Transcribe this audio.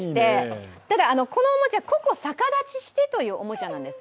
このおもちゃ、ココさかだちしてというおもちゃなんです。